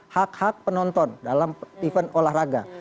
hak hak penonton dalam event olahraga